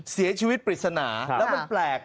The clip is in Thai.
เสียชีวิตปริศนาแล้วมันแปลก